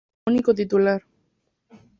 Único titular.